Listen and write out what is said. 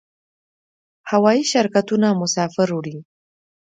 هوایی شرکتونه مسافر وړي